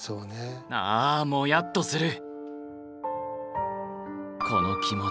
ああもやっとする！